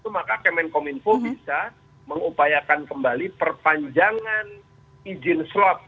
maka kemenko minfo bisa mengupayakan kembali perpanjangan izin surat